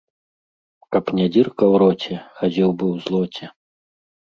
Каб не дзірка ў роце, хадзіў бы ў злоце